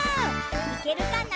いけるかな？